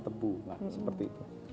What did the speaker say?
tebu nah seperti itu